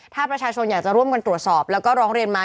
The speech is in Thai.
ถ้าประชาชนอยากจะร่วมกันตรวจสอบแล้วก็ร้องเรียนมา